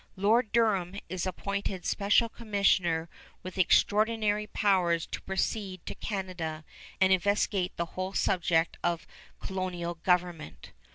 Lord Durham is appointed special commissioner with extraordinary powers to proceed to Canada and investigate the whole subject of colonial government.